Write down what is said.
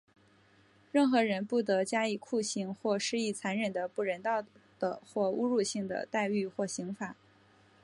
任何人不得加以酷刑,或施以残忍的、不人道的或侮辱性的待遇或刑罚。